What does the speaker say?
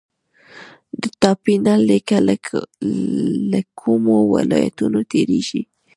د ټاپي نل لیکه له کومو ولایتونو تیریږي؟